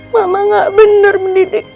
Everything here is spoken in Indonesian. mama gak bener mendidik